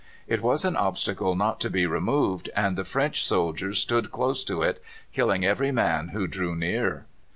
It was an obstacle not to be removed, and the French soldiers stood close to it, killing every man who drew near.